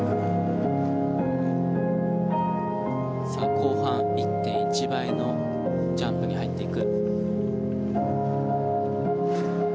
後半、１．１倍のジャンプに入っていく。